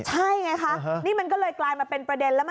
ใช่ไงคะนี่มันก็เลยกลายมาเป็นประเด็นแล้ว